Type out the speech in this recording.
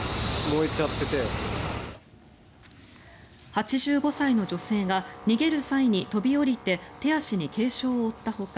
８５歳の女性が逃げる際に飛び降りて手足に軽傷を負ったほか